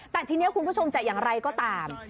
แต่ทีนี้คุณผู้ชมจะอย่างไรก็ตาม